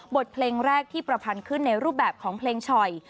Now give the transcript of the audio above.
บทเพลงแรกที่ประพันธ์ขึ้นในรูปแบบของเพลงฉ่อย